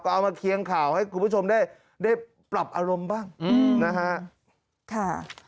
เอามาเคียงข่าวให้คุณผู้ชมได้ปรับอารมณ์บ้างนะฮะ